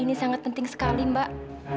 ini sangat penting sekali mbak